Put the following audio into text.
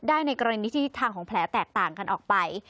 ในกรณีที่ทิศทางของแผลแตกต่างกันออกไป